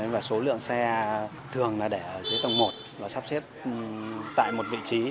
và số lượng xe thường là để ở dưới tầng một và sắp xếp tại một vị trí